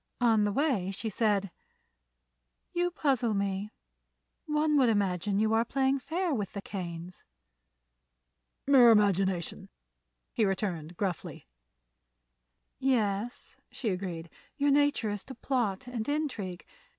On the way she said: "You puzzle me. One would imagine you are playing fair with the Kanes." "Mere imagination," he returned, gruffly. "Yes," she agreed; "your nature is to plot and intrigue.